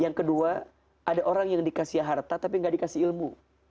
yang kedua ada orang yang dikasih harta tapi nggak dikasih ilmu